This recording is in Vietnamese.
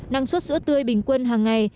năng suất sữa tươi bình quân hàng ngày